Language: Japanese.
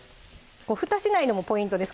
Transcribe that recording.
ふたしないのもポイントです